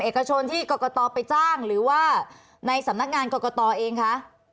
เอกชนที่กรกตไปจ้างหรือว่าในสำนักงานกรกตเองคะ